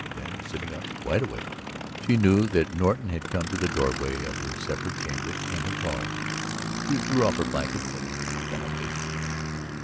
Then, sitting up, wide awake, she knew that Norton had come to the doorway of her separate chamber and had called. She threw off her blanket and got up hastily.